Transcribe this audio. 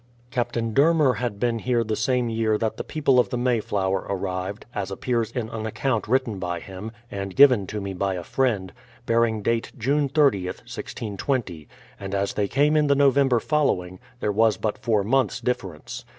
Captain Dermer had been here the same year that the people of the Mayflower arrived, as appears in an account written by him, and given to me by a friend, bearing date. THE PLYMOUTH SETTLEMENT 81 June 30th, 1620; and as they came in the November fol lowing, there was but four months' difference.